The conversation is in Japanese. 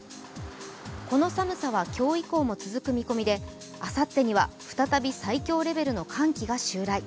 この寒さは今日以降も続く見込みであさってには再び最強レベルの寒気が襲来。